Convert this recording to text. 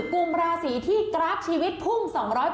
กลุ่มราศีที่กราฟชีวิตพุ่ง๒๐๐